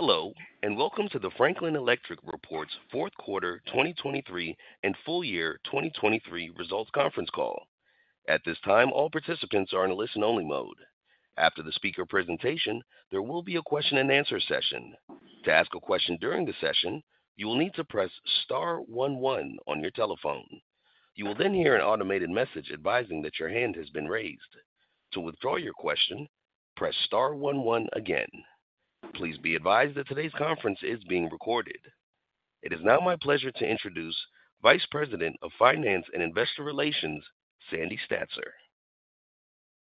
Hello, and welcome to the Franklin Electric's fourth quarter 2023 and full year 2023 results conference call. At this time, all participants are in a listen-only mode. After the speaker presentation, there will be a question-and-answer session. To ask a question during the session, you will need to press star one one on your telephone. You will then hear an automated message advising that your hand has been raised. To withdraw your question, press star one one again. Please be advised that today's conference is being recorded. It is now my pleasure to introduce Vice President of Finance and Investor Relations, Sandy Statzer.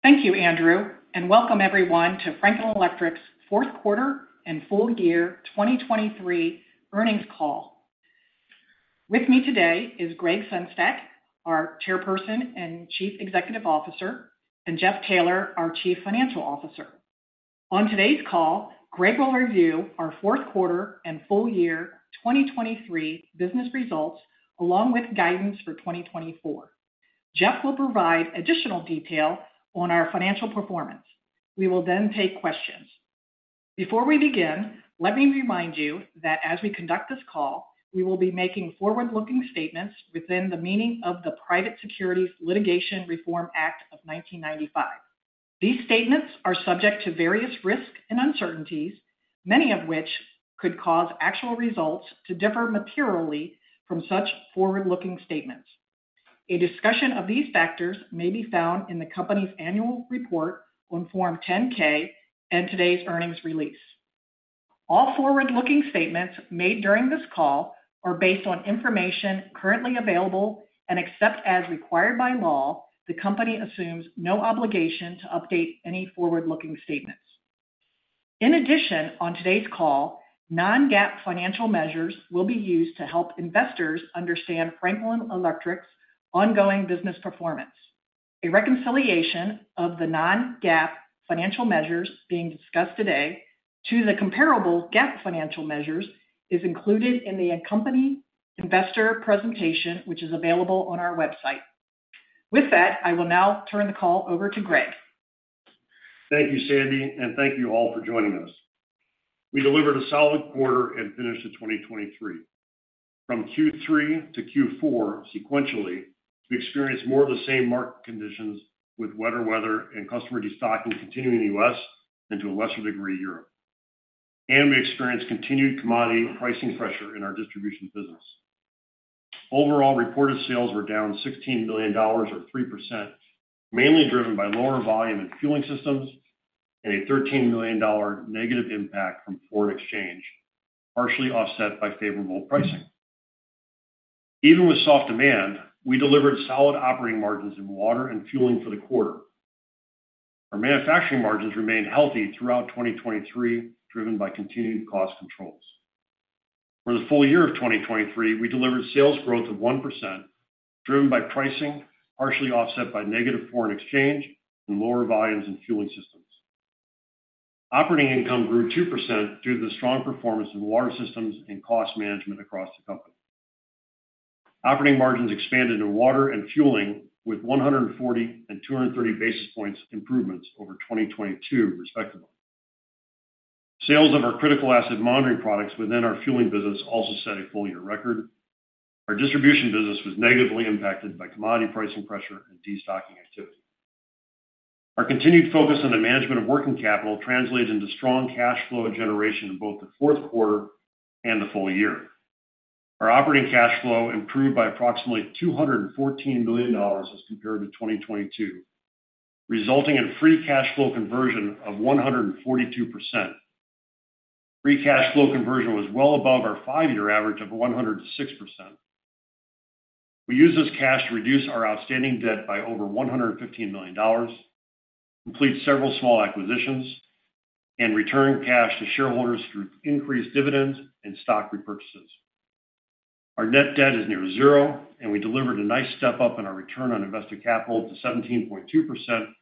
Thank you, Andrew, and welcome everyone to Franklin Electric's fourth quarter and full year 2023 earnings call. With me today is Greggg Sengstack, our Chairperson and Chief Executive Officer, and Jeff Taylor, our Chief Financial Officer. On today's call, Gregg will review our fourth quarter and full year 2023 business results, along with guidance for 2024. Jeff will provide additional detail on our financial performance. We will then take questions. Before we begin, let me remind you that as we conduct this call, we will be making forward-looking statements within the meaning of the Private Securities Litigation Reform Act of 1995. These statements are subject to various risks and uncertainties, many of which could cause actual results to differ materially from such forward-looking statements. A discussion of these factors may be found in the company's Annual Report on Form 10-K and today's earnings release. All forward-looking statements made during this call are based on information currently available, and except as required by law, the company assumes no obligation to update any forward-looking statements. In addition, on today's call, non-GAAP financial measures will be used to help investors understand Franklin Electric's ongoing business performance. A reconciliation of the non-GAAP financial measures being discussed today to the comparable GAAP financial measures is included in the accompanying investor presentation, which is available on our website. With that, I will now turn the call over to Gregg. Thank you, Sandy, and thank you all for joining us. We delivered a solid quarter and finished in 2023. From Q3-Q4 sequentially, we experienced more of the same market conditions with wetter weather and customer destocking continuing in the U.S. and to a lesser degree, Europe. And we experienced continued commodity pricing pressure in our distribution business. Overall, reported sales were down $16 billion or 3%, mainly driven by lower volume in fueling systems and a $13 million negative impact from foreign exchange, partially offset by favorable pricing. Even with soft demand, we delivered solid operating margins in water and fueling for the quarter. Our manufacturing margins remained healthy throughout 2023, driven by continued cost controls. For the full year of 2023, we delivered sales growth of 1%, driven by pricing, partially offset by negative foreign exchange and lower volumes in Fueling Systems. Operating income grew 2% due to the strong performance in Water Systems and cost management across the company. Operating margins expanded in water and fueling, with 140 and 230 basis points improvements over 2022, respectively. Sales of our Critical Asset Monitoring products within our fueling business also set a full-year record. Our distribution business was negatively impacted by commodity pricing pressure and destocking activity. Our continued focus on the management of working capital translates into strong cash flow generation in both the fourth quarter and the full year. Our operating cash flow improved by approximately $214 billion as compared to 2022, resulting in free cash flow conversion of 142%. Free cash flow conversion was well above our five-year average of 106%. We used this cash to reduce our outstanding debt by over $115 million, complete several small acquisitions, and return cash to shareholders through increased dividends and stock repurchases. Our net debt is near zero, and we delivered a nice step-up in our return on invested capital to 17.2%, an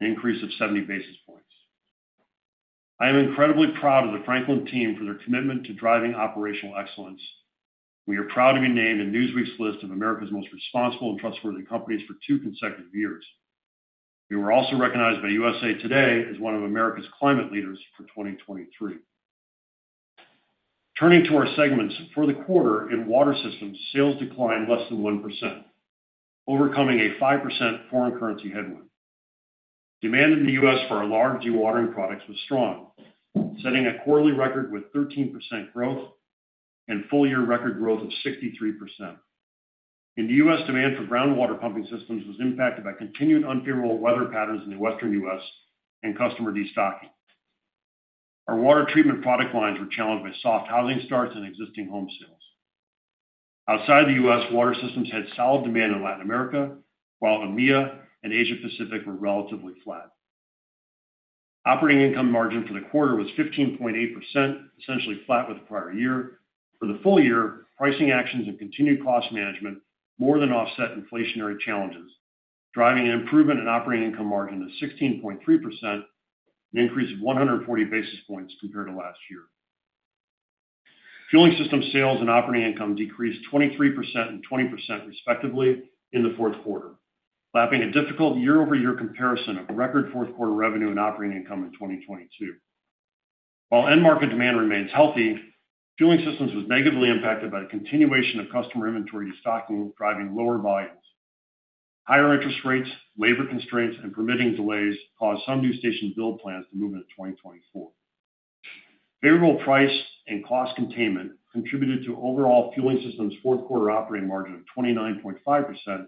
increase of 70 basis points. I am incredibly proud of the Franklin team for their commitment to driving operational excellence. We are proud to be named in Newsweek's list of America's most responsible and trustworthy companies for two consecutive years. We were also recognized by USA TODAY as one of America's climate leaders for 2023. Turning to our segments. For the quarter in Water Systems, sales declined less than 1%, overcoming a 5% foreign currency headwind. Demand in the U.S. for our large dewatering products was strong, setting a quarterly record with 13% growth and full-year record growth of 63%. In the U.S., demand for groundwater pumping systems was impacted by continued unfavorable weather patterns in the Western United States and customer destocking. Our water treatment product lines were challenged by soft housing starts and existing home sales. Outside the U.S., Water Systems had solid demand in Latin America, while EMEA and Asia Pacific were relatively flat. Operating income margin for the quarter was 15.8%, essentially flat with the prior year. For the full year, pricing actions and continued cost management more than offset inflationary challenges, driving an improvement in operating income margin to 16.3%, an increase of 140 basis points compared to last year. Fueling Systems sales and operating income decreased 23% and 20% respectively in the fourth quarter, lapping a difficult year-over-year comparison of record fourth quarter revenue and operating income in 2022. While end market demand remains healthy, Fueling Systems was negatively impacted by the continuation of customer inventory destocking, driving lower volumes. Higher interest rates, labor constraints, and permitting delays caused some new station build plans to move into 2024. Favorable price and cost containment contributed to overall Fueling Systems' fourth quarter operating margin of 29.5%,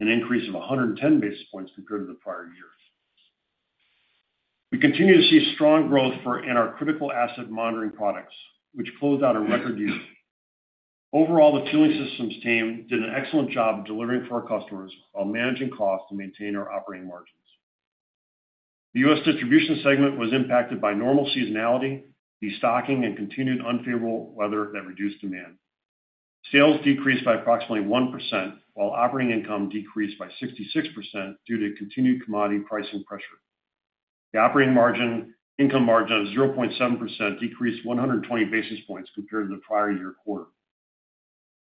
an increase of 110 basis points compared to the prior year. We continue to see strong growth in our Critical Asset Monitoring products, which closed out a record year. Overall, the Fueling Systems team did an excellent job of delivering for our customers while managing costs to maintain our operating margins. The U.S. Distribution segment was impacted by normal seasonality, destocking, and continued unfavorable weather that reduced demand. Sales decreased by approximately 1%, while operating income decreased by 66% due to continued commodity pricing pressure. The operating margin, income margin of 0.7% decreased 120 basis points compared to the prior year quarter.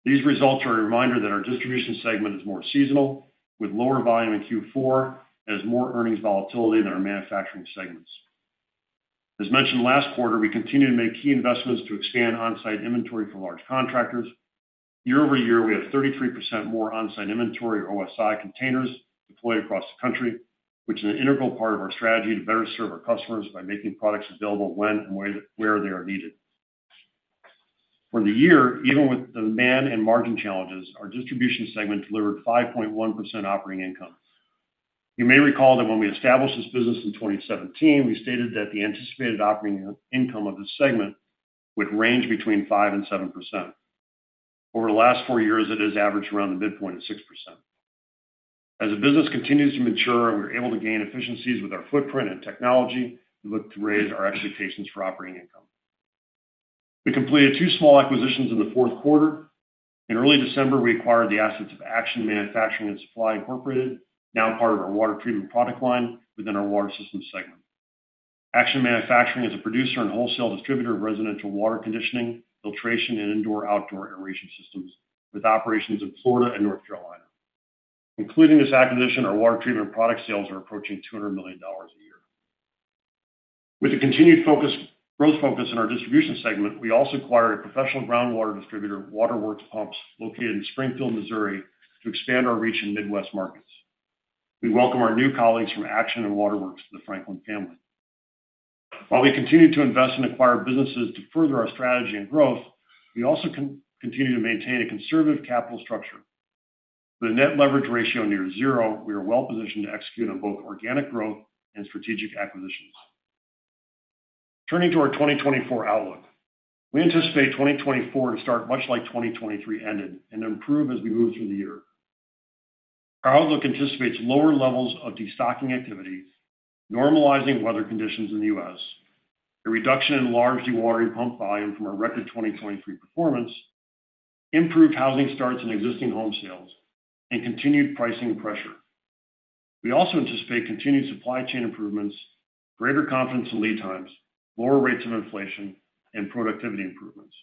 These results are a reminder that our Distribution segment is more seasonal, with lower volume in Q4, and has more earnings volatility than our manufacturing segments. As mentioned last quarter, we continue to make key investments to expand on-site inventory for large contractors. Year-over-year, we have 33% more on-site inventory, or OSI containers, deployed across the country, which is an integral part of our strategy to better serve our customers by making products available when and where, where they are needed. For the year, even with the demand and margin challenges, our Distribution segment delivered 5.1 operating income. You may recall that when we established this business in 2017, we stated that the anticipated operating income of this segment would range between 5% and 7%. Over the last four years, it has averaged around the midpoint of 6%. As the business continues to mature and we're able to gain efficiencies with our footprint and technology, we look to raise our expectations for operating income. We completed two small acquisitions in the fourth quarter. In early December, we acquired the assets of Action Manufacturing and Supply, Incorporated., now part of our water treatment product line within our Water Systems segment. Action Manufacturing is a producer and wholesale distributor of residential water conditioning, filtration, and indoor-outdoor aeration systems, with operations in Florida and North Carolina. Including this acquisition, our water treatment product sales are approaching $200 million a year. With a continued growth focus on our Distribution segment, we also acquired a professional groundwater distributor, Water Works Pumps, located in Springfield, Missouri, to expand our reach in Midwest markets. We welcome our new colleagues from Action and Water Works to the Franklin family. While we continue to invest and acquire businesses to further our strategy and growth, we also continue to maintain a conservative capital structure. With a net leverage ratio near zero, we are well positioned to execute on both organic growth and strategic acquisitions. Turning to our 2024 outlook. We anticipate 2024 to start much like 2023 ended and improve as we move through the year. Our outlook anticipates lower levels of destocking activity, normalizing weather conditions in the U.S., a reduction in large dewatering pump volume from our record 2023 performance, improved housing starts and existing home sales, and continued pricing pressure. We also anticipate continued supply chain improvements, greater confidence in lead times, lower rates of inflation, and productivity improvements.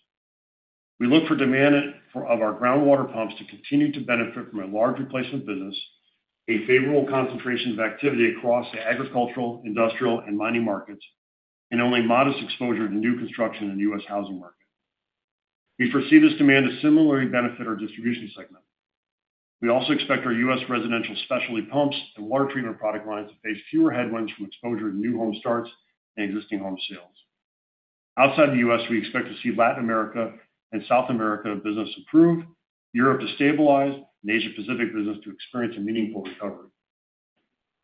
We look for demand for, of our groundwater pumps to continue to benefit from a large replacement business, a favorable concentration of activity across the agricultural, industrial, and mining markets, and only modest exposure to new construction in the U.S. housing market. We foresee this demand to similarly benefit our Distribution segment. We also expect our U.S. residential specialty pumps and water treatment product lines to face fewer headwinds from exposure to new home starts and existing home sales. Outside the U.S., we expect to see Latin America and South America business improve, Europe to stabilize, and Asia Pacific business to experience a meaningful recovery.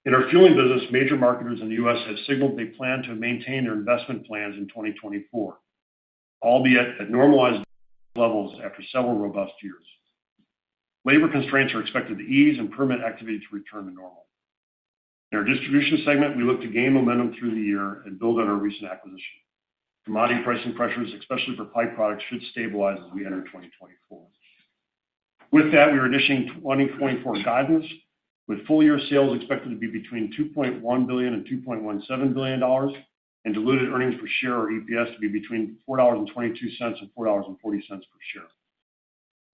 In our fueling business, major marketers in the U.S. have signaled they plan to maintain their investment plans in 2024, albeit at normalized levels after several robust years. Labor constraints are expected to ease and permit activity to return to normal. In our Distribution segment, we look to gain momentum through the year and build on our recent acquisition. Commodity pricing pressures, especially for pipe products, should stabilize as we enter 2024. With that, we are issuing 2024 guidance, with full-year sales expected to be between $2.1 billion and $2.17 billion, and diluted earnings per share, or EPS, to be between $4.22 and $4.40 per share.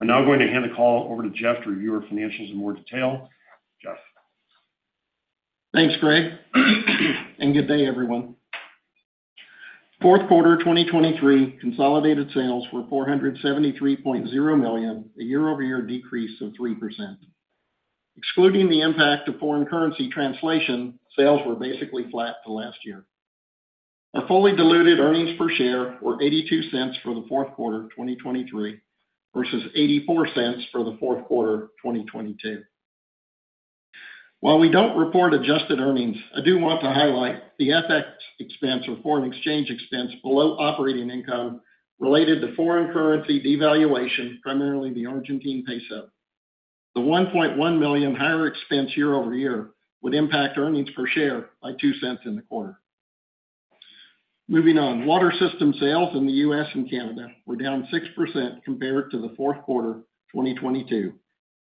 I'm now going to hand the call over to Jeff to review our financials in more detail. Jeff? Thanks, Gregg, and good day, everyone. Fourth quarter 2023 consolidated sales were $473.0 million, a year-over-year decrease of 3%. Excluding the impact of foreign currency translation, sales were basically flat to last year. Our fully diluted earnings per share were $0.82 for the fourth quarter of 2023 versus $0.84 for the fourth quarter of 2022. While we don't report adjusted earnings, I do want to highlight the FX expense, or foreign exchange expense, below operating income related to foreign currency devaluation, primarily the Argentine peso. The $1.1 million higher expense year over year would impact earnings per share by $0.02 in the quarter. Moving on. Water Systems sales in the U.S. and Canada were down 6% compared to the fourth quarter 2022,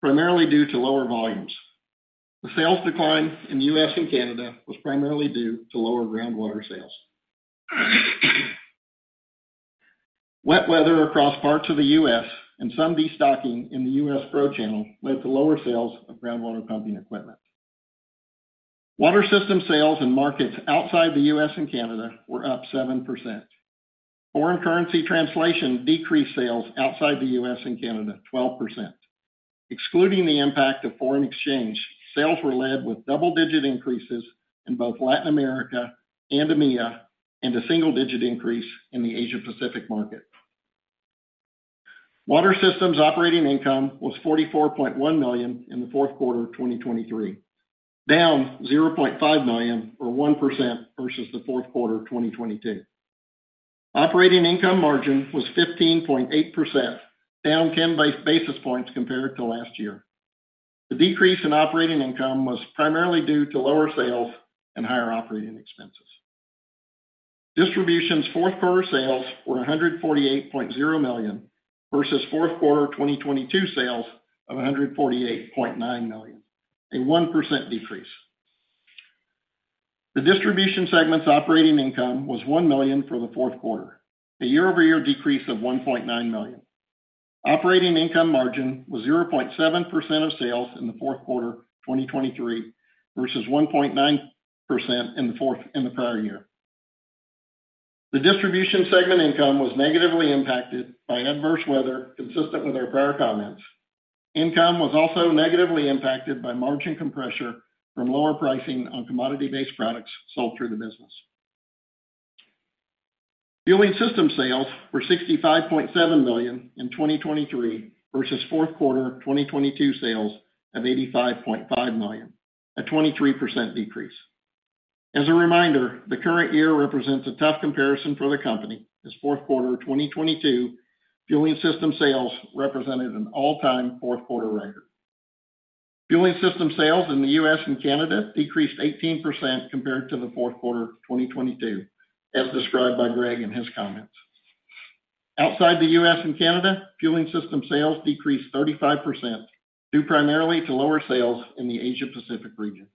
primarily due to lower volumes.... The sales decline in the U.S. and Canada was primarily due to lower groundwater sales. Wet weather across parts of the U.S. and some destocking in the U.S. pro channel led to lower sales of groundwater pumping equipment. Water Systems sales in markets outside the U.S. and Canada were up 7%. Foreign currency translation decreased sales outside the U.S. and Canada 12%. Excluding the impact of foreign exchange, sales were led with double-digit increases in both Latin America and EMEA, and a single-digit increase in the Asia Pacific market. Water Systems operating income was $44.1 million in the fourth quarter of 2023, down $0.5 million, or 1% versus the fourth quarter of 2022. Operating income margin was 15.8%, down ten basis points compared to last year. The decrease in operating income was primarily due to lower sales and higher operating expenses. Distribution's fourth quarter sales were $148.0 million versus fourth quarter 2022 sales of $148.9 million, a 1% decrease. The Distribution segment's operating income was $1 million for the fourth quarter, a year-over-year decrease of $1.9 million. Operating income margin was 0.7% of sales in the fourth quarter of 2023, versus 1.9% in the prior year. The Distribution segment income was negatively impacted by adverse weather, consistent with our prior comments. Income was also negatively impacted by margin compression from lower pricing on commodity-based products sold through the business. Fueling Systems sales were $65.7 million in 2023, versus fourth quarter 2022 sales of $85.5 million, a 23% decrease. As a reminder, the current year represents a tough comparison for the company, as fourth quarter 2022 Fueling Systems sales represented an all-time fourth quarter record. Fueling Systems sales in the U.S. and Canada decreased 18% compared to the fourth quarter of 2022, as described by Gregg in his comments. Outside the U.S. and Canada, Fueling Systems sales decreased 35%, due primarily to lower sales in the Asia Pacific region.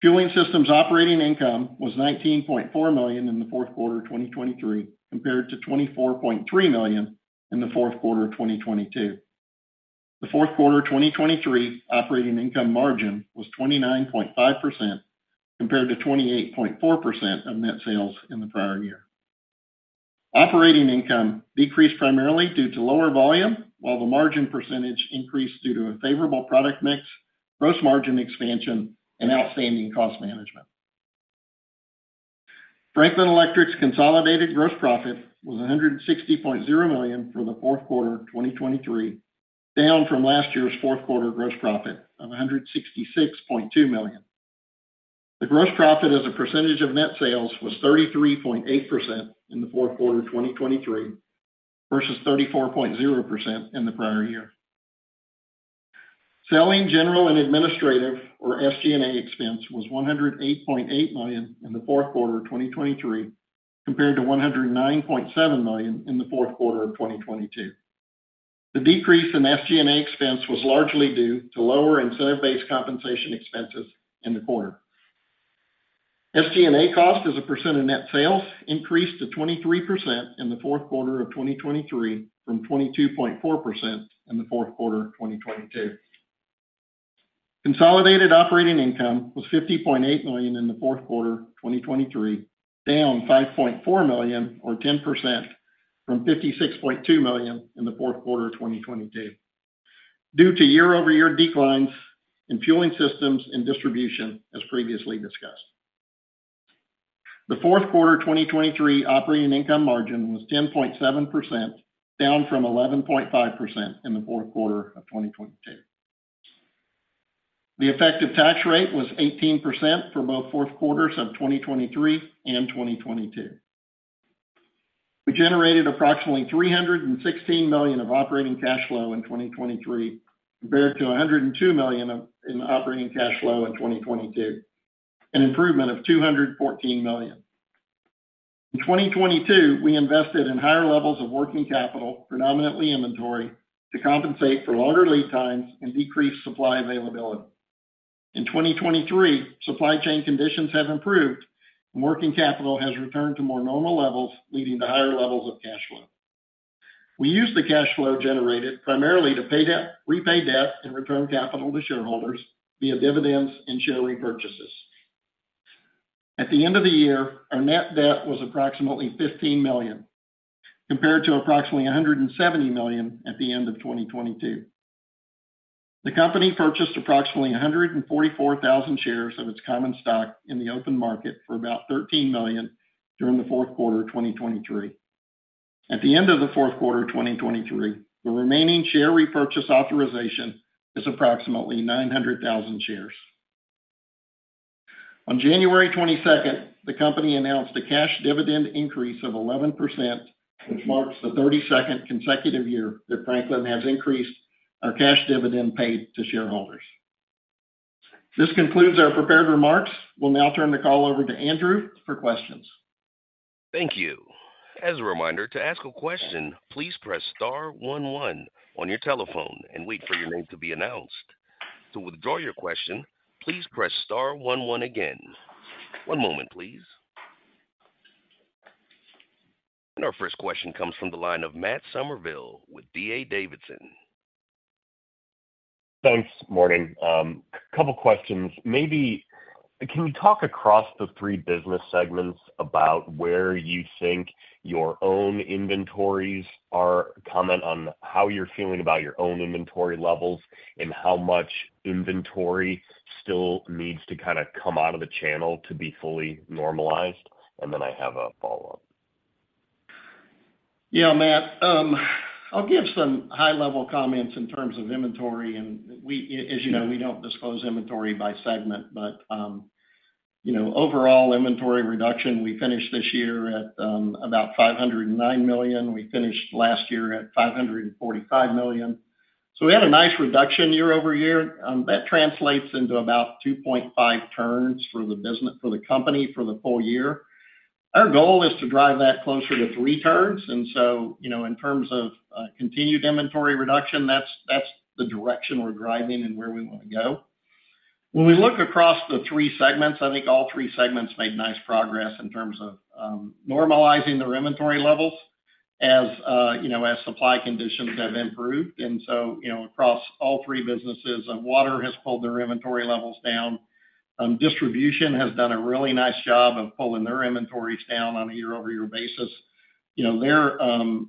Fueling Systems Operating Income was $19.4 million in the fourth quarter of 2023, compared to $24.3 million in the fourth quarter of 2022. The fourth quarter of 2023 operating income margin was 29.5%, compared to 28.4% of net sales in the prior year. Operating income decreased primarily due to lower volume, while the margin percentage increased due to a favorable product mix, gross margin expansion, and outstanding cost management. Franklin Electric's consolidated gross profit was $160.0 million for the fourth quarter of 2023, down from last year's fourth quarter gross profit of $166.2 million. The gross profit as a percentage of net sales was 33.8% in the fourth quarter of 2023, versus 34.0% in the prior year. Selling, general, and administrative, or SG&A expense, was $108.8 million in the fourth quarter of 2023, compared to $109.7 million in the fourth quarter of 2022. The decrease in SG&A expense was largely due to lower incentive-based compensation expenses in the quarter. SG&A cost as a percent of net sales increased to 23% in the fourth quarter of 2023, from 22.4% in the fourth quarter of 2022. Consolidated operating income was $50.8 million in the fourth quarter of 2023, down $5.4 million, or 10%, from $56.2 million in the fourth quarter of 2022, due to year-over-year declines in Fueling Systems and Distribution, as previously discussed. The fourth quarter of 2023 operating income margin was 10.7%, down from 11.5% in the fourth quarter of 2022. The effective tax rate was 18% for both fourth quarters of 2023 and 2022. We generated approximately $316 million in operating cash flow in 2023, compared to $102 million in operating cash flow in 2022, an improvement of $214 million. In 2022, we invested in higher levels of working capital, predominantly inventory, to compensate for longer lead times and decreased supply availability. In 2023, supply chain conditions have improved, and working capital has returned to more normal levels, leading to higher levels of cash flow. We used the cash flow generated primarily to pay debt, repay debt and return capital to shareholders via dividends and share repurchases. At the end of the year, our net debt was approximately $15 million, compared to approximately $170 million at the end of 2022. The company purchased approximately 144,000 shares of its common stock in the open market for about $13 million during the fourth quarter of 2023. At the end of the fourth quarter of 2023, the remaining share repurchase authorization is approximately 900,000 shares. On January 22nd, the company announced a cash dividend increase of 11%, which marks the 32nd consecutive year that Franklin has increased our cash dividend paid to shareholders... This concludes our prepared remarks. We'll now turn the call over to Andrew for questions. Thank you. As a reminder, to ask a question, please press star one one on your telephone and wait for your name to be announced. To withdraw your question, please press star one one again. One moment, please. Our first question comes from the line of Matt Summerville with D.A. Davidson. Thanks. Morning. A couple questions. Maybe, can we talk across the three business segments about where you think your own inventories are? Comment on how you're feeling about your own inventory levels, and how much inventory still needs to kinda come out of the channel to be fully normalized, and then I have a follow-up. Yeah, Matt, I'll give some high-level comments in terms of inventory, and we—as you know, we don't disclose inventory by segment, but, you know, overall inventory reduction, we finished this year at about $509 million. We finished last year at $545 million. So we had a nice reduction year-over-year. That translates into about 2.5 turns for the business—for the company for the full year. Our goal is to drive that closer to three turns, and so, you know, in terms of continued inventory reduction, that's, that's the direction we're driving and where we want to go. When we look across the three segments, I think all three segments made nice progress in terms of normalizing their inventory levels as, you know, as supply conditions have improved. And so, you know, across all three businesses, Water has pulled their inventory levels down. Distribution has done a really nice job of pulling their inventories down on a year-over-year basis. You know, they're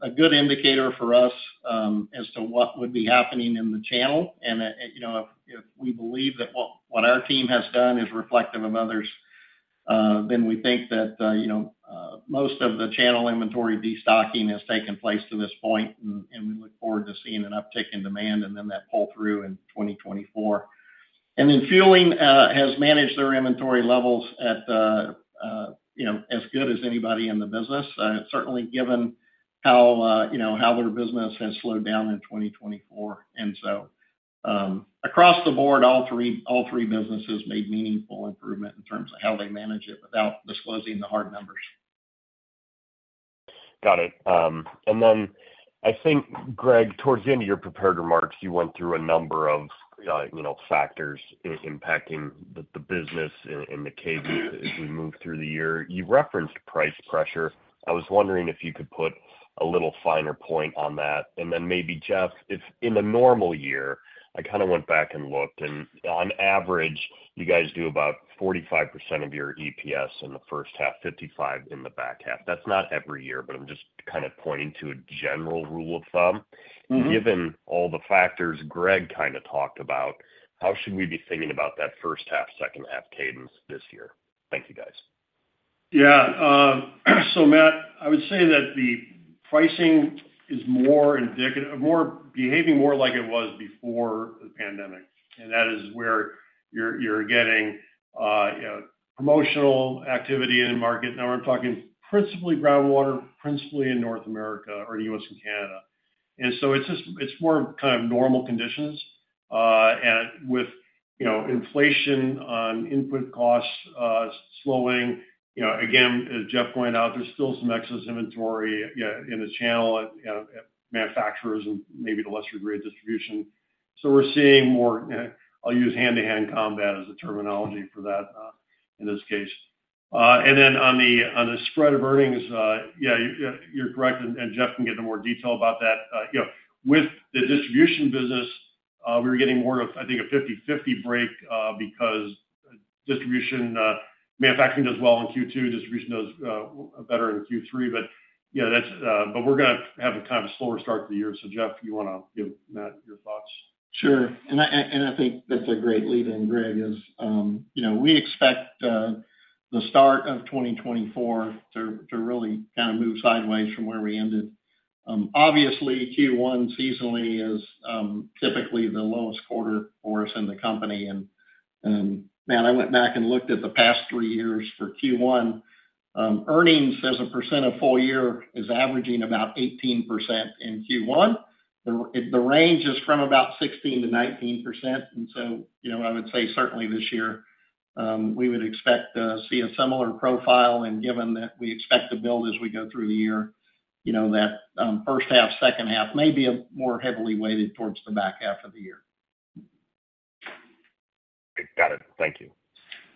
a good indicator for us as to what would be happening in the channel. And you know, if we believe that what our team has done is reflective of others, then we think that you know most of the channel inventory destocking has taken place to this point, and we look forward to seeing an uptick in demand, and then that pull-through in 2024. And then Fueling has managed their inventory levels at you know, as good as anybody in the business, certainly given how you know, how their business has slowed down in 2024. Across the board, all three, all three businesses made meaningful improvement in terms of how they manage it without disclosing the hard numbers. Got it. And then I think, Gregg, towards the end of your prepared remarks, you went through a number of, you know, factors impacting the, the business and, and the case as we move through the year. You referenced price pressure. I was wondering if you could put a little finer point on that. And then maybe, Jeff, if in a normal year, I kinda went back and looked, and on average, you guys do about 45% of your EPS in the first half, 55 in the back half. That's not every year, but I'm just kind of pointing to a general rule of thumb. Mm-hmm. Given all the factors Gregg kind of talked about, how should we be thinking about that first half, second half cadence this year? Thank you, guys. Yeah, so Matt, I would say that the pricing is more indicative, more behaving more like it was before the pandemic, and that is where you're, you're getting, you know, promotional activity in the market. Now, I'm talking principally groundwater, principally in North America or U.S. and Canada. And so it's just it's more kind of normal conditions, and with, you know, inflation on input costs, slowing. You know, again, as Jeff pointed out, there's still some excess inventory, in the channel at, at manufacturers and maybe to a lesser degree, at distribution. So we're seeing more, I'll use hand-to-hand combat as a terminology for that, in this case. And then on the, on the spread of earnings, yeah, you, you're correct, and, and Jeff can get into more detail about that. You know, with the distribution business, we were getting more of, I think, a 50/50 break, because distribution, manufacturing does well in Q2, distribution does better in Q3. But, yeah, that's, but we're gonna have a kind of slower start to the year. So, Jeff, you wanna give Matt your thoughts? Sure. And I think that's a great lead-in, Gregg, you know, we expect the start of 2024 to really kind of move sideways from where we ended. Obviously, Q1 seasonally is typically the lowest quarter for us in the company. And, Matt, I went back and looked at the past three years for Q1. Earnings as a percent of full year is averaging about 18% in Q1. The range is from about 16%-19%, and so, you know, I would say certainly this year, we would expect to see a similar profile, and given that we expect to build as we go through the year, you know, that first half, second half may be more heavily weighted towards the back half of the year. Got it. Thank you.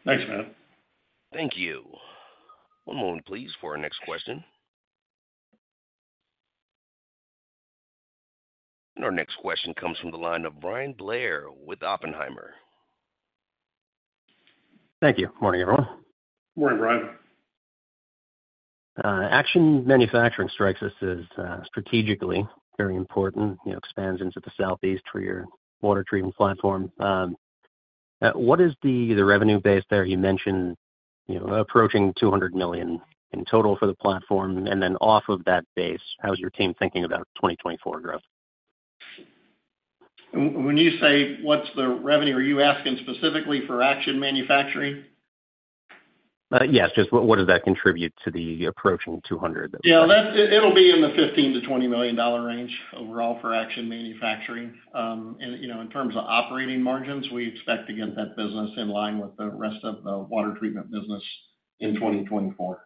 Thanks, Matt. Thank you. One moment, please, for our next question. Our next question comes from the line of Bryan Blair with Oppenheimer. Thank you. Morning, everyone. Morning, Bryan. Action Manufacturing strikes us as strategically very important, you know, expands into the Southeast for your water treatment platform. What is the revenue base there? You mentioned, you know, approaching $200 million in total for the platform, and then off of that base, how is your team thinking about 2024 growth? When you say what's the revenue, are you asking specifically for Action Manufacturing?... yes, just what does that contribute to the approaching 200 that- Yeah, that's it, it'll be in the $15 million-$20 million range overall for Action Manufacturing. And, you know, in terms of operating margins, we expect to get that business in line with the rest of the water treatment business in 2024.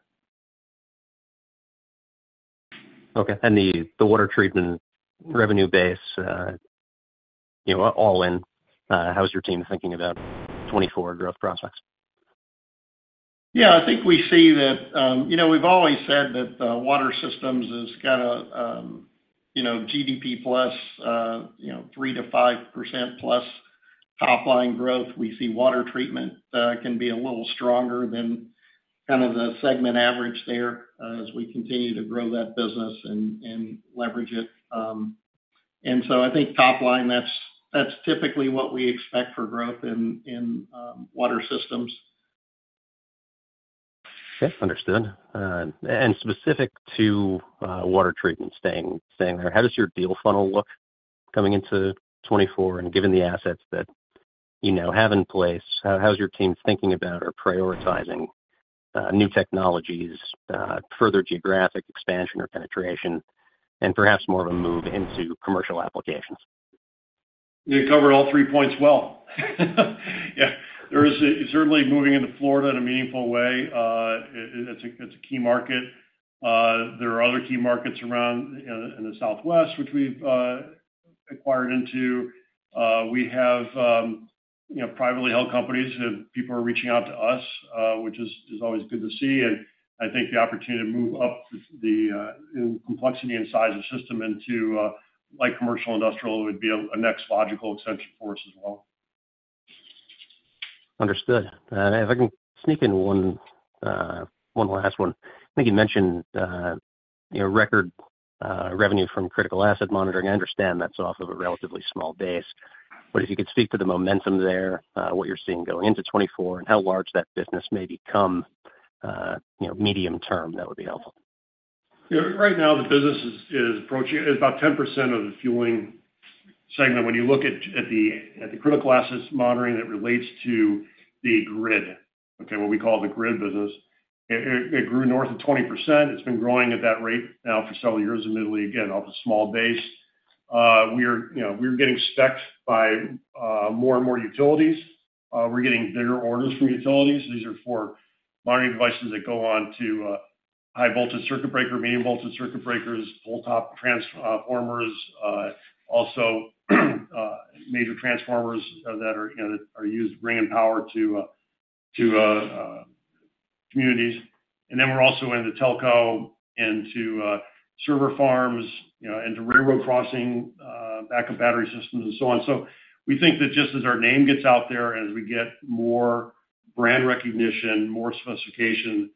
Okay. And the water treatment revenue base, you know, all in, how is your team thinking about 2024 growth prospects? Yeah, I think we see that, you know, we've always said that, Water Systems is kind of, you know, GDP plus, you know, 3%-5%+ top line growth. We see water treatment, can be a little stronger than kind of the segment average there as we continue to grow that business and, and leverage it. And so I think top line, that's, that's typically what we expect for growth in, in, Water Systems. Yes, understood. And specific to water treatment, staying there, how does your deal funnel look coming into 2024? And given the assets that you know have in place, how is your team thinking about or prioritizing new technologies, further geographic expansion or penetration, and perhaps more of a move into commercial applications? You covered all three points well. Yeah, there is certainly moving into Florida in a meaningful way. It's a key market. There are other key markets around in the Southwest, which we've acquired into. We have, you know, privately held companies, and people are reaching out to us, which is always good to see. And I think the opportunity to move up the complexity and size of system into like commercial industrial would be a next logical extension for us as well. Understood. If I can sneak in one, one last one. I think you mentioned, you know, record revenue from Critical Asset Monitoring. I understand that's off of a relatively small base, but if you could speak to the momentum there, what you're seeing going into 2024 and how large that business may become, you know, medium term, that would be helpful. Yeah, right now, the business is approaching. It is about 10% of the fueling segment. When you look at the Critical Asset Monitoring, it relates to the grid, okay? What we call the grid business. It grew north of 20%. It's been growing at that rate now for several years, admittedly, again, off a small base. We're, you know, getting spec-ed by more and more utilities. We're getting bigger orders from utilities. These are for monitoring devices that go on to high voltage circuit breaker, medium voltage circuit breakers, pole top transformers, also major transformers that are, you know, used to bringing power to communities. And then we're also into telco, into server farms, you know, into railroad crossing backup battery systems and so on. So we think that just as our name gets out there, as we get more brand recognition, more specification,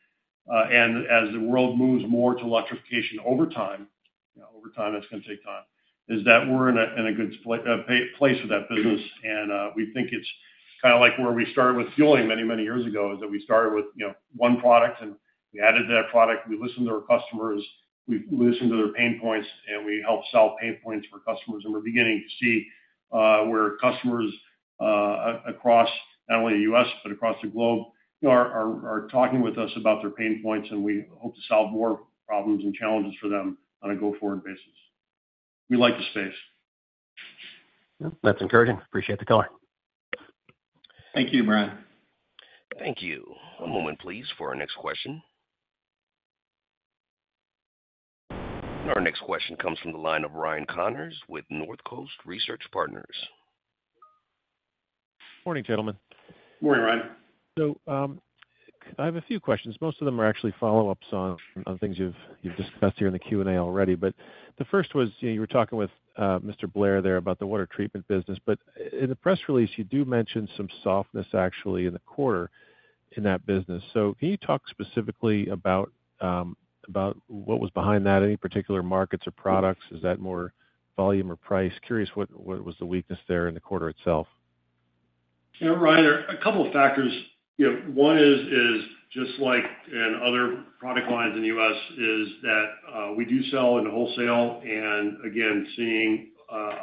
and as the world moves more to electrification over time, you know, over time, that's going to take time, is that we're in a, in a good place with that business. And we think it's kind of like where we started with fueling many, many years ago, is that we started with, you know, one product, and we added to that product. We listened to our customers, we listened to their pain points, and we helped solve pain points for customers. We're beginning to see where customers across not only the U.S. but across the globe, you know, are talking with us about their pain points, and we hope to solve more problems and challenges for them on a go-forward basis. We like the space. That's encouraging. Appreciate the color. Thank you, Bryan. Thank you. One moment, please, for our next question. Our next question comes from the line of Ryan Connors with Northcoast Research. Morning, gentlemen. Morning, Ryan. So, I have a few questions. Most of them are actually follow-ups on things you've discussed here in the Q&A already. But the first was, you know, you were talking with Mr. Blair there about the water treatment business, but in the press release, you do mention some softness actually in the quarter in that business. So can you talk specifically about what was behind that? Any particular markets or products? Is that more volume or price? Curious, what was the weakness there in the quarter itself? Yeah, Ryan, a couple of factors. You know, one is just like in other product lines in the U.S., is that we do sell into wholesale, and again, seeing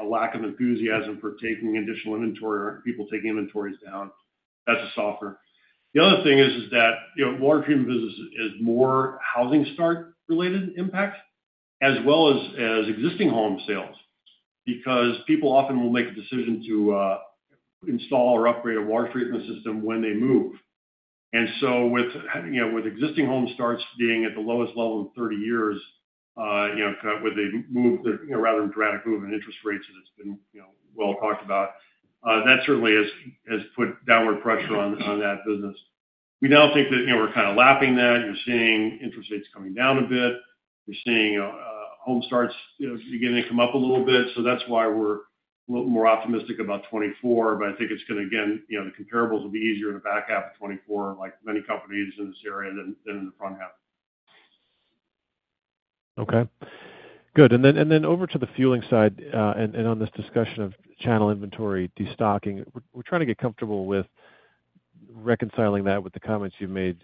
a lack of enthusiasm for taking additional inventory or people taking inventories down, that's softer. The other thing is that, you know, water treatment business is more housing start related impact, as well as existing home sales, because people often will make a decision to install or upgrade a water treatment system when they move. And so with, you know, with existing home starts being at the lowest level in 30 years, you know, with a move, you know, rather than dramatic move in interest rates, as it's been, you know, well talked about, that certainly has put downward pressure on that business. We now think that, you know, we're kind of lapping that. You're seeing interest rates coming down a bit. We're seeing home starts, you know, beginning to come up a little bit. So that's why we're a little more optimistic about 2024, but I think it's going to, again, you know, the comparables will be easier in the back half of 2024, like many companies in this area than in the front half. Okay, good. And then over to the fueling side, and on this discussion of channel inventory, destocking. We're trying to get comfortable with reconciling that with the comments you've made,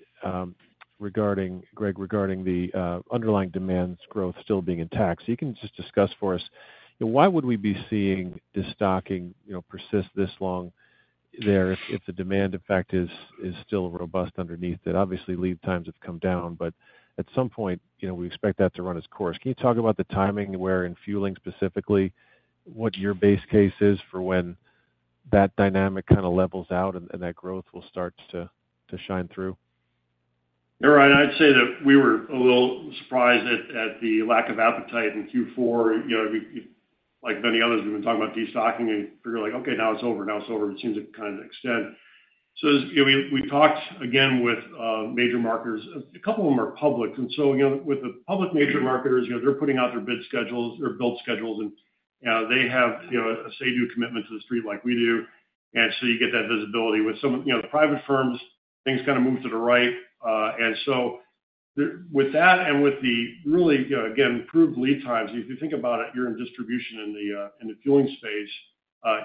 regarding, Gregg, regarding the underlying demand's growth still being intact. So you can just discuss for us, why would we be seeing this stocking, you know, persist this long there if the demand effect is still robust underneath it? Obviously, lead times have come down, but at some point, you know, we expect that to run its course. Can you talk about the timing where, in fueling specifically, what your base case is for when that dynamic kind of levels out and that growth will start to shine through? Yeah, Ryan, I'd say that we were a little surprised at the lack of appetite in Q4. You know, we—like many others, we've been talking about destocking, and you're like, "Okay, now it's over. Now it's over." It seems to kind of extend. So, you know, we talked again with major marketers. A couple of them are public, and so, you know, with the public major marketers, you know, they're putting out their bid schedules or build schedules, and they have, you know, a say-do commitment to the street like we do, and so you get that visibility. With some, you know, the private firms, things kind of move to the right. And so with that and with the really, again, improved lead times, if you think about it, you're in distribution in the fueling space,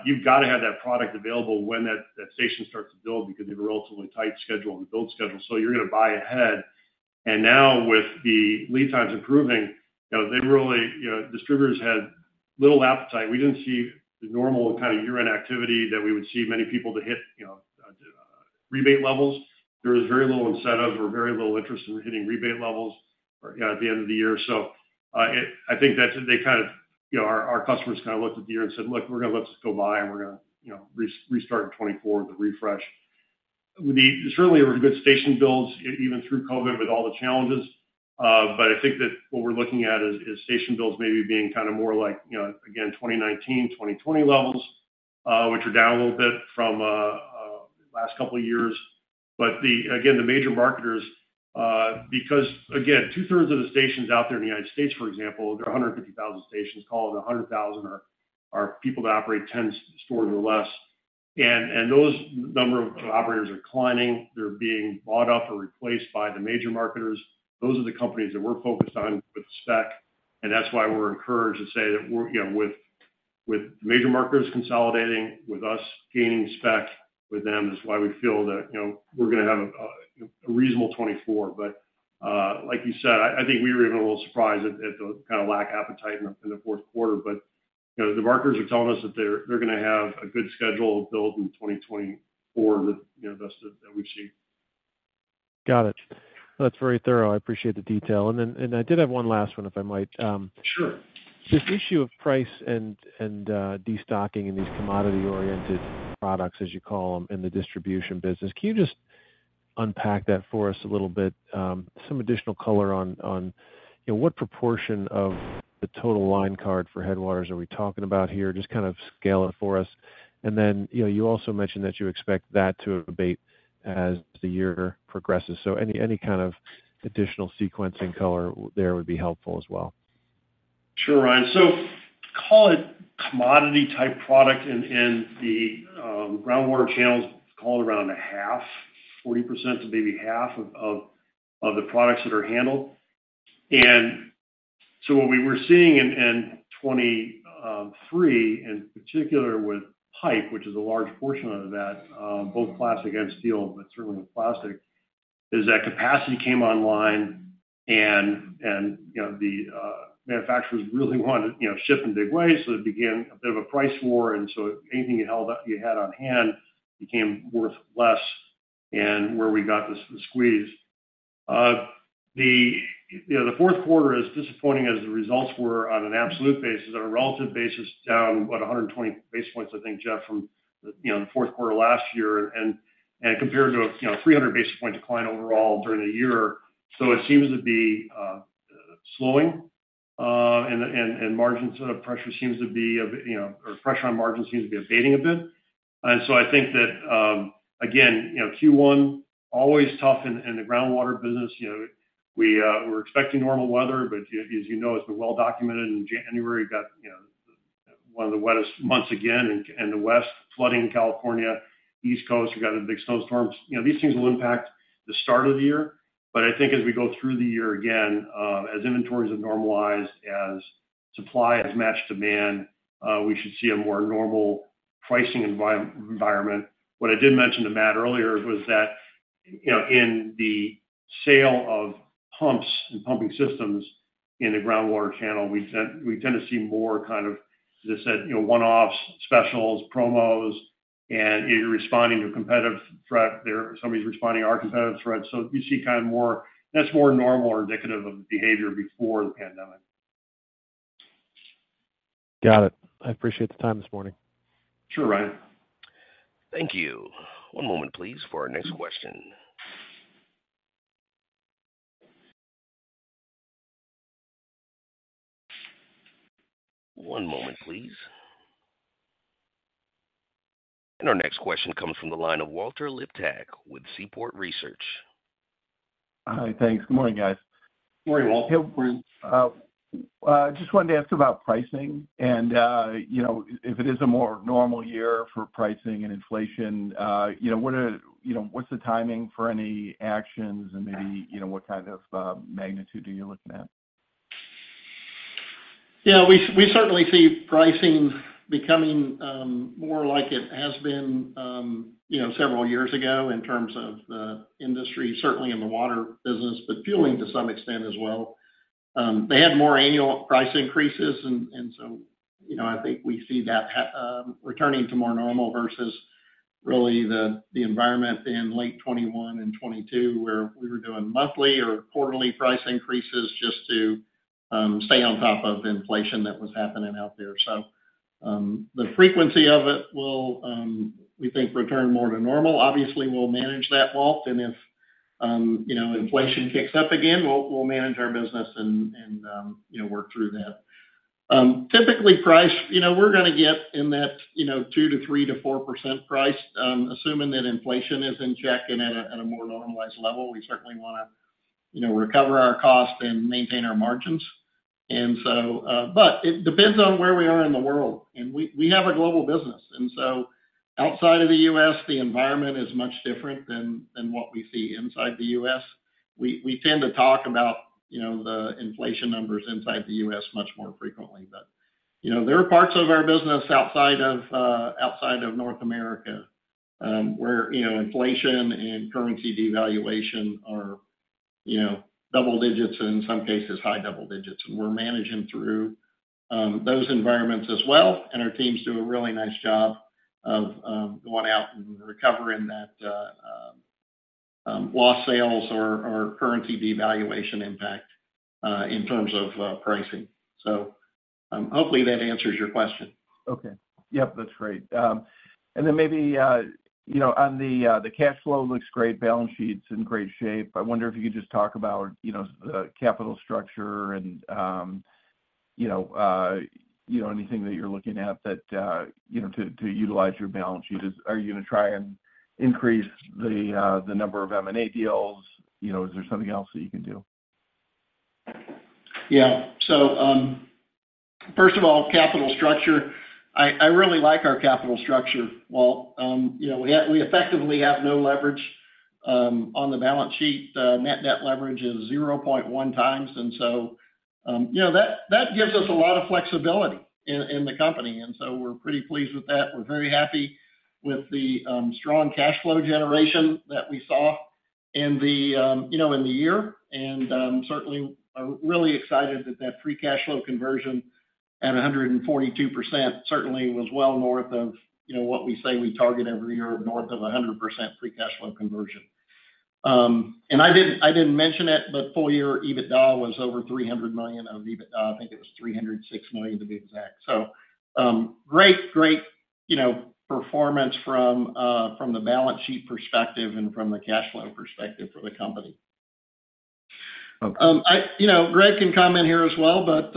you've got to have that product available when that station starts to build because you have a relatively tight schedule and build schedule, so you're going to buy ahead. And now, with the lead times improving, you know, they really, you know, distributors had little appetite. We didn't see the normal kind of year-end activity that we would see many people to hit, you know, rebate levels. There was very little incentive or very little interest in hitting rebate levels at the end of the year. So, I think that's they kind of, you know, our customers kind of looked at the year and said: Look, we're going to let this go by, and we're going to, you know, restart in 2024 with a refresh. There certainly were good station builds, even through COVID, with all the challenges. But I think that what we're looking at is station builds maybe being kind of more like, you know, again, 2019, 2020 levels, which are down a little bit from last couple of years. But, again, the major marketers, because, again, two-thirds of the stations out there in the United States, for example, there are 150,000 stations, call it 100,000, are people that operate 10 stores or less. And those number of operators are declining. They're being bought up or replaced by the major marketers. Those are the companies that we're focused on with spec, and that's why we're encouraged to say that we're, you know, with major marketers consolidating, with us gaining spec with them, is why we feel that, you know, we're going to have a reasonable 2024. But, like you said, I think we were even a little surprised at the kind of lack of appetite in the fourth quarter. But, you know, the marketers are telling us that they're going to have a good schedule build in 2024 with, you know, that's that we've seen. Got it. That's very thorough. I appreciate the detail. And then I did have one last one, if I might. Sure. This issue of price and destocking in these commodity-oriented products, as you call them, in the distribution business, can you just unpack that for us a little bit? Some additional color on, you know, what proportion of the total line card for Headwaters are we talking about here? Just kind of scale it for us. And then, you know, you also mentioned that you expect that to abate as the year progresses. So any kind of additional sequencing color there would be helpful as well. Sure, Ryan. So call it commodity-type product in the groundwater channels, call it around a half, 40% to maybe half of the products that are handled. So what we were seeing in 2023, in particular with pipe, which is a large portion of that, both plastic and steel, but certainly the plastic, is that capacity came online and you know, the manufacturers really wanted to you know, ship in big way, so it began a bit of a price war, and so anything you held up, you had on hand became worth less, and where we got this, the squeeze. You know, the fourth quarter, as disappointing as the results were on an absolute basis, on a relative basis, down about 120 basis points, I think, Jeff, from, you know, the fourth quarter last year, and compared to a, you know, 300 basis point decline overall during the year. So it seems to be slowing, and margins pressure seems to be, you know, or pressure on margins seems to be abating a bit. And so I think that, again, you know, Q1, always tough in the groundwater business. You know, we, we're expecting normal weather, but as you know, it's been well documented in January, got one of the wettest months again in the West, flooding in California, East Coast, we got a big snowstorm. You know, these things will impact the start of the year, but I think as we go through the year again, as inventories have normalized, as supply has matched demand, we should see a more normal pricing environment. What I did mention to Matt earlier was that, you know, in the sale of pumps and pumping systems in the groundwater channel, we tend to see more kind of, as I said, you know, one-offs, specials, promos, and either responding to a competitive threat there, somebody's responding to our competitive threat. So you see kind of more... That's more normal or indicative of the behavior before the pandemic. Got it. I appreciate the time this morning. Sure, Ryan. Thank you. One moment, please, for our next question. One moment, please. Our next question comes from the line of Walter Liptak with Seaport Research. Hi, thanks. Good morning, guys. Good morning, Walter. I just wanted to ask about pricing and, you know, if it is a more normal year for pricing and inflation, you know, what's the timing for any actions and maybe, you know, what kind of magnitude are you looking at?... Yeah, we certainly see pricing becoming more like it has been, you know, several years ago in terms of the industry, certainly in the water business, but fueling to some extent as well. They had more annual price increases, and so, you know, I think we see that returning to more normal versus really the environment in late 2021 and 2022, where we were doing monthly or quarterly price increases just to stay on top of inflation that was happening out there. So, the frequency of it will, we think, return more to normal. Obviously, we'll manage that, Walt, and if, you know, inflation kicks up again, we'll manage our business and, you know, work through that. Typically price, you know, we're going to get in that, you know, 2%-4% price, assuming that inflation is in check and at a more normalized level. We certainly want to, you know, recover our cost and maintain our margins. And so, but it depends on where we are in the world, and we have a global business, and so outside of the U.S., the environment is much different than what we see inside the U.S. We tend to talk about, you know, the inflation numbers inside the U.S. much more frequently, but, you know, there are parts of our business outside of outside of North America, where, you know, inflation and currency devaluation are, you know, double digits, in some cases, high double digits. We're managing through those environments as well, and our teams do a really nice job of going out and recovering that lost sales or currency devaluation impact in terms of pricing. So, hopefully, that answers your question. Okay. Yep, that's great. And then maybe, you know, on the, the cash flow looks great, balance sheet's in great shape. I wonder if you could just talk about, you know, the capital structure and, you know, you know, anything that you're looking at that, you know, to, to utilize your balance sheet. Are you going to try and increase the, the number of M&A deals? You know, is there something else that you can do? Yeah. So, first of all, capital structure. I, I really like our capital structure, Walt. You know, we ha-- we effectively have no leverage, on the balance sheet. The net debt leverage is 0.1x, and so, you know, that, that gives us a lot of flexibility in, in the company, and so we're pretty pleased with that. We're very happy with the, strong cash flow generation that we saw in the, you know, in the year. And, certainly, are really excited that that free cash flow conversion at 142% certainly was well north of, you know, what we say we target every year, north of 100% free cash flow conversion. And I didn't, I didn't mention it, but full year EBITDA was over $300 million of EBITDA. I think it was $306 million, to be exact. So great, great, you know, performance from the balance sheet perspective and from the cash flow perspective for the company. Okay. I—you know, Gregg can comment here as well, but,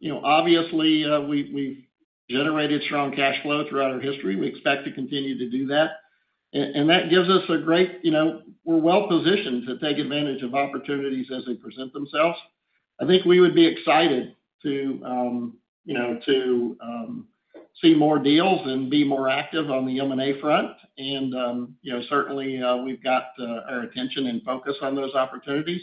you know, obviously, we've generated strong cash flow throughout our history. We expect to continue to do that. And that gives us a great, you know. We're well positioned to take advantage of opportunities as they present themselves. I think we would be excited to, you know, to, see more deals and be more active on the M&A front. And, you know, certainly, we've got our attention and focus on those opportunities.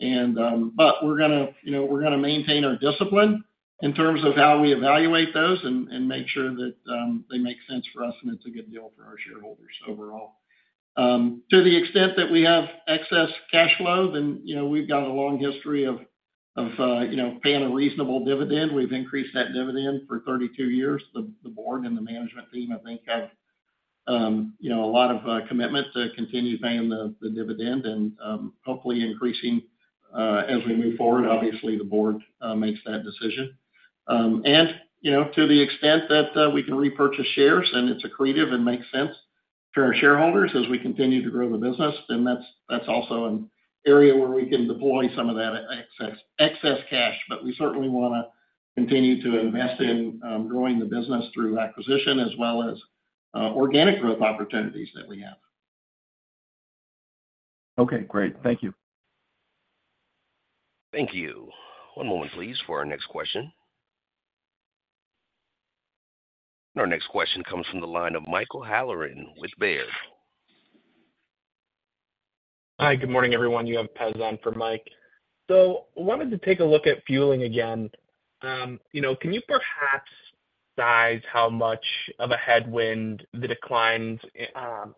And, but we're going to, you know, we're going to maintain our discipline in terms of how we evaluate those and, make sure that, they make sense for us, and it's a good deal for our shareholders overall. To the extent that we have excess cash flow, then, you know, we've got a long history of paying a reasonable dividend. We've increased that dividend for 32 years. The board and the management team, I think, have a lot of commitment to continue paying the dividend and hopefully increasing as we move forward. Obviously, the board makes that decision. And, you know, to the extent that we can repurchase shares, and it's accretive and makes sense for our shareholders as we continue to grow the business, then that's also an area where we can deploy some of that excess cash. But we certainly want to continue to invest in growing the business through acquisition as well as organic growth opportunities that we have. Okay, great. Thank you. Thank you. One moment, please, for our next question. Our next question comes from the line of Michael Halloran with Baird. Hi, good morning, everyone. You have Pez on for Mike. So wanted to take a look at fueling again. You know, can you perhaps size how much of a headwind the declines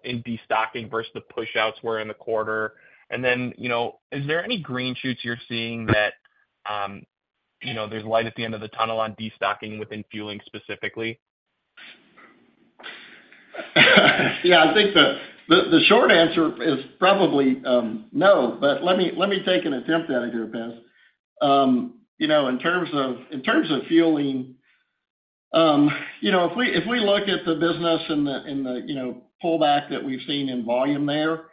in destocking versus the pushouts were in the quarter? And then, you know, is there any green shoots you're seeing that, you know, there's light at the end of the tunnel on destocking within fueling specifically? Yeah, I think the short answer is probably no, but let me take an attempt at it here, Pez. You know, in terms of fueling, you know, if we look at the business and the pullback that we've seen in volume there,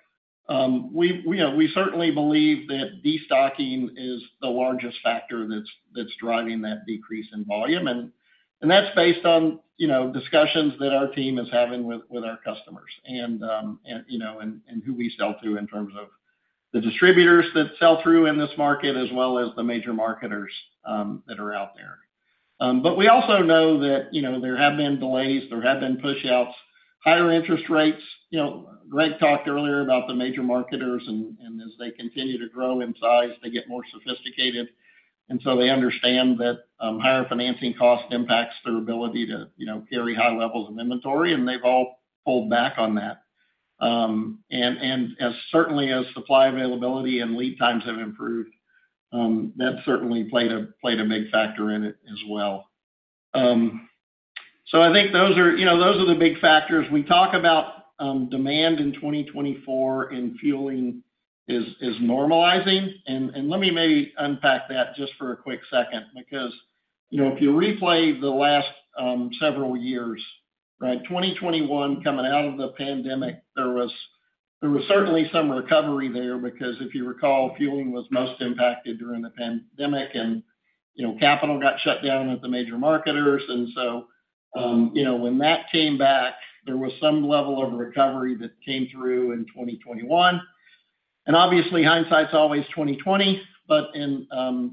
we certainly believe that destocking is the largest factor that's driving that decrease in volume. And that's based on discussions that our team is having with our customers and who we sell to in terms of the distributors that sell through in this market, as well as the major marketers that are out there. But we also know that, you know, there have been delays, there have been pushouts.... Higher interest rates, you know, Gregg talked earlier about the major marketers, and as they continue to grow in size, they get more sophisticated, and so they understand that higher financing cost impacts their ability to, you know, carry high levels of inventory, and they've all pulled back on that. And as certainly as supply availability and lead times have improved, that certainly played a big factor in it as well. So I think those are, you know, those are the big factors. We talk about demand in 2024, and fueling is normalizing. Let me maybe unpack that just for a quick second, because, you know, if you replay the last several years, right, 2021, coming out of the pandemic, there was certainly some recovery there, because if you recall, fueling was most impacted during the pandemic and, you know, capital got shut down at the major marketers. So, you know, when that came back, there was some level of recovery that came through in 2021. And obviously, hindsight's always 20/20, but in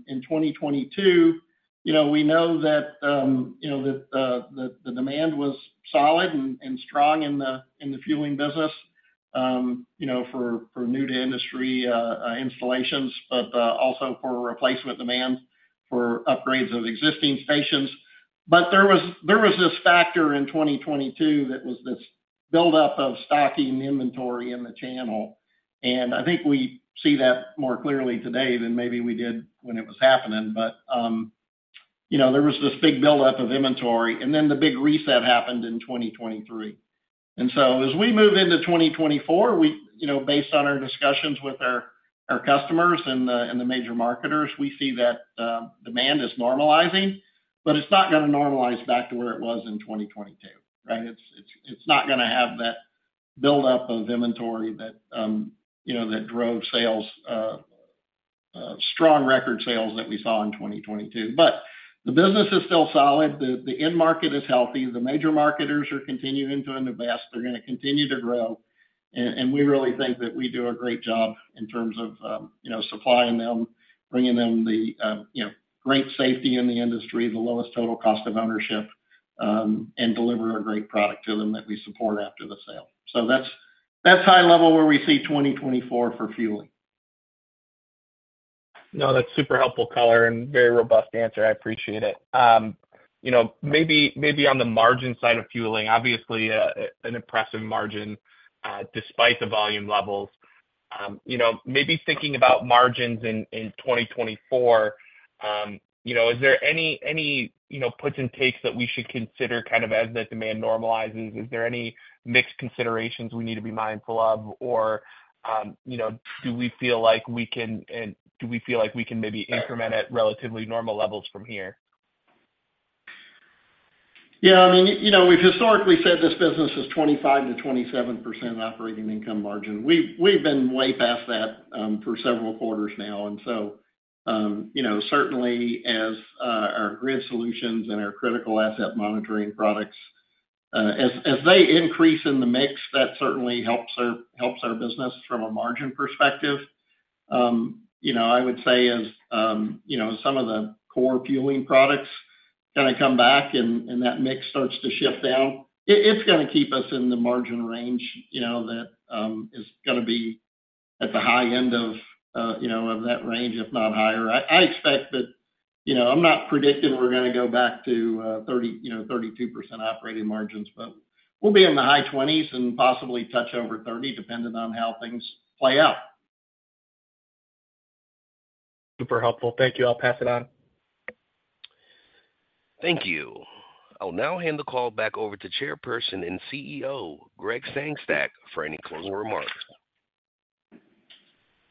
2022, you know, we know that the demand was solid and strong in the fueling business, you know, for new-to-industry installations, but also for replacement demand, for upgrades of existing stations. But there was this factor in 2022 that was this buildup of stocking inventory in the channel, and I think we see that more clearly today than maybe we did when it was happening. But, you know, there was this big buildup of inventory, and then the big reset happened in 2023. And so as we move into 2024, You know, based on our discussions with our customers and the major marketers, we see that demand is normalizing, but it's not going to normalize back to where it was in 2022, right? It's not going to have that buildup of inventory that you know that drove sales strong record sales that we saw in 2022. But the business is still solid. The end market is healthy. The major marketers are continuing to invest. They're going to continue to grow, and, and we really think that we do a great job in terms of, you know, supplying them, bringing them the, you know, great safety in the industry, the lowest total cost of ownership, and deliver a great product to them that we support after the sale. So that's, that's high level where we see 2024 for fueling. No, that's super helpful color and very robust answer. I appreciate it. You know, maybe, maybe on the margin side of fueling, obviously, an impressive margin, despite the volume levels. You know, maybe thinking about margins in 2024, you know, is there any, any, you know, puts and takes that we should consider kind of as the demand normalizes? Is there any mix considerations we need to be mindful of, or, you know, do we feel like we can, and do we feel like we can maybe increment at relatively normal levels from here? Yeah, I mean, you know, we've historically said this business is 25%-27% operating income margin. We've been way past that for several quarters now, and so you know, certainly as our grid solutions and our Critical Asset Monitoring products as they increase in the mix, that certainly helps our business from a margin perspective. You know, I would say as you know, some of the core fueling products kind of come back and that mix starts to shift down, it's going to keep us in the margin range, you know, that is going to be at the high end of you know, of that range, if not higher. I expect that... You know, I'm not predicting we're going to go back to 30, you know, 32% operating margins, but we'll be in the high 20s and possibly touch over 30, depending on how things play out. Super helpful. Thank you. I'll pass it on. Thank you. I'll now hand the call back over to Chairperson and CEO, Greggg Sengstack, for any closing remarks.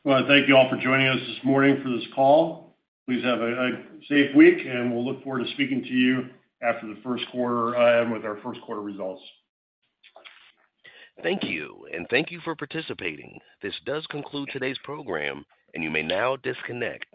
Well, thank you all for joining us this morning for this call. Please have a safe week, and we'll look forward to speaking to you after the first quarter with our first quarter results. Thank you, and thank you for participating. This does conclude today's program, and you may now disconnect.